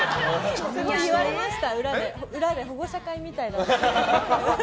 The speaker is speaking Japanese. すごい言われました、裏で保護者会みたいだって。